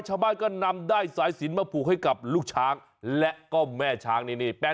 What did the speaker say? ชาวบ้านก็นำได้สายสินมาผูกให้กับลูกช้างและก็แม่ช้างนี่